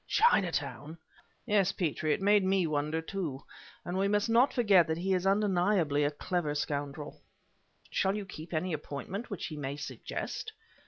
"Chinatown!" "Yes, Petrie, it made me wonder, too; and we must not forget that he is undeniably a clever scoundrel." "Shall you keep any appointment which he may suggest?"